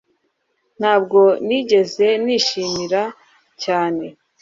Ntabwo nigeze nishimira cyane